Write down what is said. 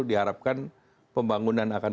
diharapkan pembangunan akan